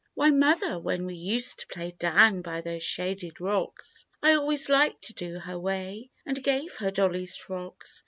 "Why, Mother, when we used to play Down by those shaded rocks, I always liked to do her way, And gave her Dolly's frocks.